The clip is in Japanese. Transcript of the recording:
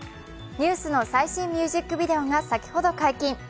ＮＥＷＳの最新ミュージックビデオが先ほど解禁。